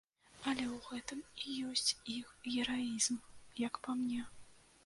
Але ў гэтым і ёсць іх гераізм, як па мне.